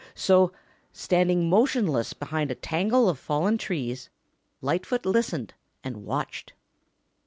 So, standing motionless behind a tangle of fallen trees, Lightfoot listened and watched.